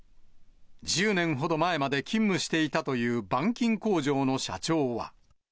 １０年ほど前まで勤務していたという板金工場の社長は。